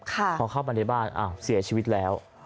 พอเข้าบรรทัยบ้านฆ่าเสียชีวิตแล้ว